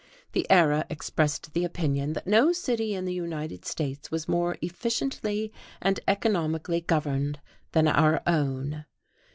The Era expressed the opinion that no city in the United States was "more efficiently and economically governed than our own."